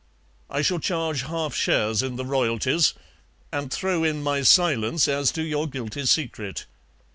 I shall charge half shares in the royalties, and throw in my silence as to your guilty secret.